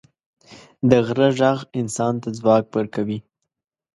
د غره ږغ انسان ته ځواک ورکوي.